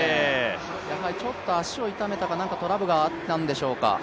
足を痛めたかトラブルがあったんでしょうか。